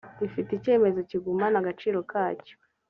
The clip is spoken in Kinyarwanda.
gifite icyemezo kigumana agaciro kacyo